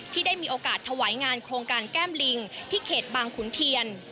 ที่ได้มีโอกาสถวายงานโครงการแก้มลิงที่เขตบางขุนเทียน